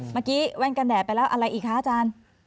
แว่นกันแดดไปแล้วอะไรอีกคะอาจารย์